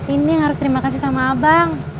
ini harus terima kasih sama abang